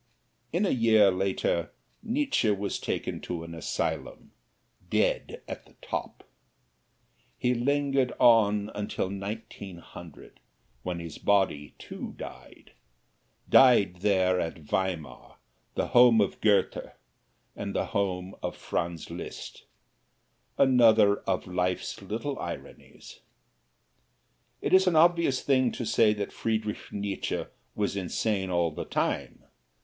In a year later, Nietzsche was taken to an asylum, dead at the top. He lingered on until Nineteen Hundred, when his body, too, died, died there at Weimar, the home of Goethe and the home of Franz Liszt another of life's little ironies. It is an obvious thing to say that Friedrich Nietzsche was insane all the time.